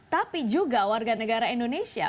tapi juga warga negara indonesia